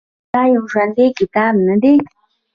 آیا دا یو ژوندی کتاب نه دی؟